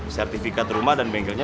sertifikat rumah dan bengkelnya